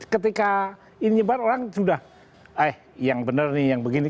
ketika ini nyebar orang sudah eh yang bener nih yang begini